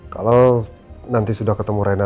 kalau nanti sudah ketemu rena